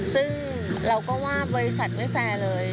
ซึ่งเราก็ว่าบริษัทไม่แฟร์เลย